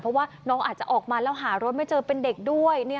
เพราะว่าน้องอาจจะออกมาแล้วหารถไม่เจอเป็นเด็กด้วย